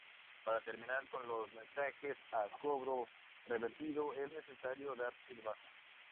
Para terminar con los mensajes a cobro revertido es necesario darse de baja.